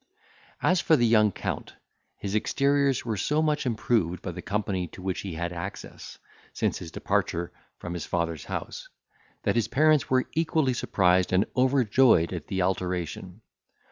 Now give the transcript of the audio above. As for the young Count, his exteriors were so much improved by the company to which he had access, since his departure from his father's house, that his parents were equally surprised and overjoyed at the alteration.